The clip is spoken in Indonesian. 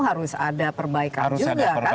harus ada perbaikan juga kan